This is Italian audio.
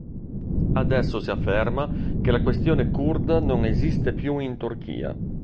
Adesso si afferma che la questione curda non esiste più in Turchia.